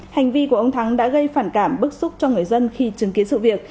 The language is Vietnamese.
hành vi của ông thắng đã gây phản cảm bức xúc cho người dân khi chứng kiến sự việc